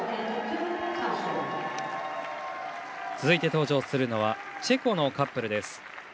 続いて登場するのはチェコのカップルです。